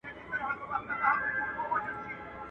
دوی به هم پر یوه بل سترګي را سرې کړي.